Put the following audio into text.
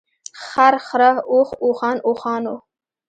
خر، خره، اوښ ، اوښان ، اوښانو .